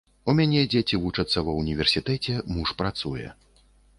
У мяне дзеці вучацца ва ўніверсітэце, муж працуе.